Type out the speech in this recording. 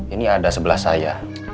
ini ada sebelah saya